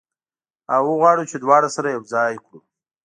او وغواړو چې دواړه سره یو ځای کړو.